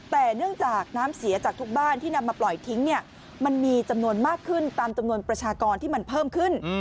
แต่เนื่องจากน้ำเสียจากทุกบ้านที่นำมาปล่อยทิ้งเนี่ยมันมีจำนวนมากขึ้นตามจำนวนประชากรที่มันเพิ่มขึ้น